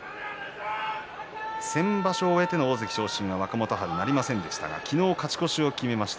先場所終えての大関昇進は若元春、なりませんでしたが昨日勝ち越しを決めました。